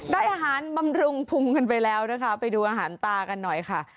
ได้อาหารบำรุงพุงกันไปแล้วนะคะไปดูอาหารตากันหน่อยค่ะ